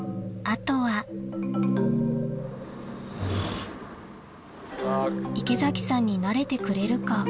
あとは池崎さんになれてくれるか？